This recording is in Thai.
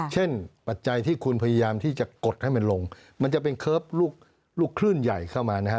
ปัจจัยที่คุณพยายามที่จะกดให้มันลงมันจะเป็นเคิร์ฟลูกคลื่นใหญ่เข้ามานะฮะ